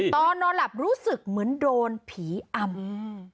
ตอนนอนหลับรู้สึกเหมือนโดนผีอำอืม